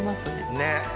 ねっ！